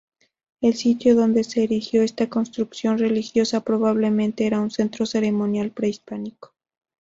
El sitio donde se erigió esta construcción religiosa probablemente era un centro ceremonial prehispánico.